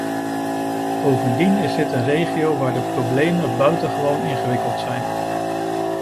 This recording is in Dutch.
Bovendien is dit een regio waar de problemen buitengewoon ingewikkeld zijn.